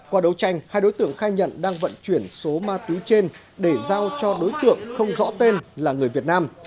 qua đấu tranh hai đối tượng khai nhận đang vận chuyển số ma túy trên để giao cho đối tượng không rõ tên là người việt nam